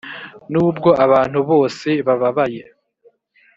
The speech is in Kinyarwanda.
nubwo abantu bose bababaye,